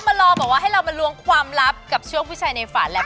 มารอบอกว่าให้เรามาล้วงความลับกับช่วงผู้ชายในฝันแหละค่ะ